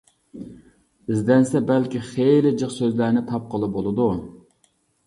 ئىزدەنسە، بەلكىم خىلى جىق سۆزلەرنى تاپقىلى بولىدۇ.